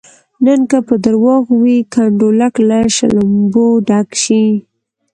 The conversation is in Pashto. نن که په درواغو وي کنډولک له شلومبو ډک شي.